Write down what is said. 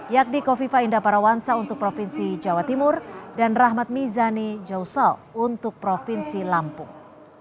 yakni kofifa indah parawansa untuk provinsi jawa timur dan rahmat mizani jausal untuk provinsi lampung